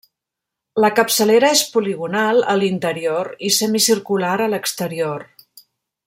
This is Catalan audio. La capçalera és poligonal a l'interior i semicircular a l'exterior.